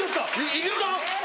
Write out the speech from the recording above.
いけるか？